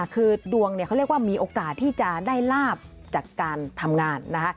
คือดวงเนี่ยเขาเรียกว่ามีโอกาสที่จะได้ลาบจากการทำงานนะคะ